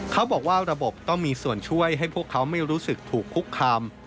เขาบอกว่าระบบต้องมีส่วนช่วยให้พวกเขาไม่รู้สึกถูกคุกคาม